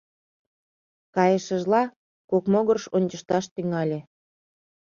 Кайышыжла, кок могырыш ончышташ тӱҥале.